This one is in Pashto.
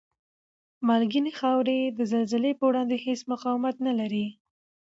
مالګینې خاورې د زلزلې په وړاندې هېڅ مقاومت نلري؟